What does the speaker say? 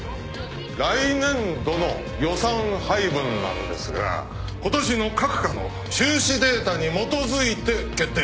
来年度の予算配分なんですが今年の各科の収支データに基づいて決定いたします